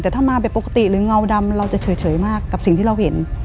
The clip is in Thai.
แต่ถ้ามาแบบปกติหรือเงาดำเราจะเฉยมากกับสิ่งที่เราเห็น